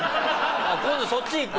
今度そっちいく？